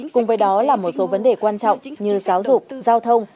cùng với đó là một số vấn đề quan trọng như giáo dục tự giao thông